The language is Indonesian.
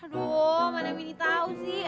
aduh mana mini tahu sih